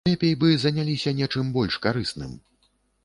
Лепей бы заняліся нечым больш карысным.